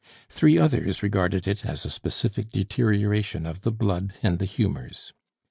Three others regarded it as a specific deterioration of the blood and the humors.